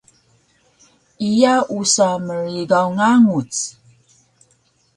Iya usa mrigaw nganguc